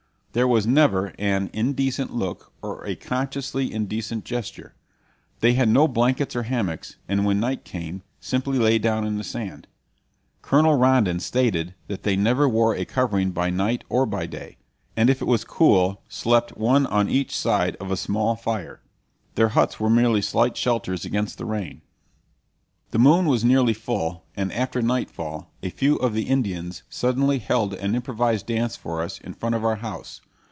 There was never an indecent look or a consciously indecent gesture. They had no blankets or hammocks, and when night came simply lay down in the sand. Colonel Rondon stated that they never wore a covering by night or by day, and if it was cool slept one on each side of a small fire. Their huts were merely slight shelters against the rain. The moon was nearly full, and after nightfall a few of the Indians suddenly held an improvised dance for us in front of our house.